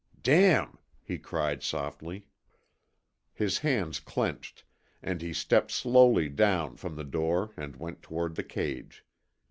"DAMN!" he cried, softly. His hands clenched, and he stepped slowly down from the door and went toward the cage.